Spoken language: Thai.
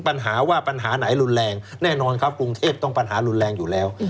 ปัญหาว่าปัญหาไหนรุนแรงแน่นอนครับกรุงเทพต้องปัญหารุนแรงอยู่แล้ว